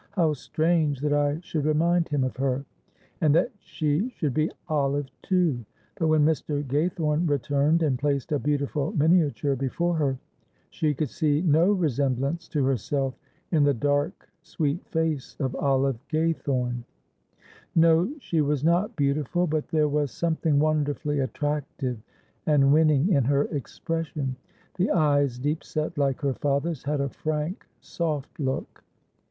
"How strange that I should remind him of her, and that she should be Olive too!" but when Mr. Gaythorne returned and placed a beautiful miniature before her, she could see no resemblance to herself in the dark sweet face of Olive Gaythorne. No, she was not beautiful, but there was something wonderfully attractive and winning in her expression; the eyes, deep set like her father's, had a frank soft look.